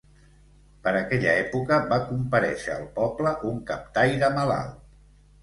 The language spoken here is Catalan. Per aquella època va comparèixer al poble un captaire malalt.